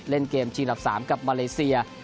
เล่นเกมชิงดับ๓กับมาเลเซีย